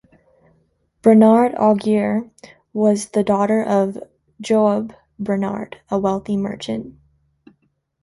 Bernard Aguirre was the daughter of Joab Bernard, a wealthy merchant.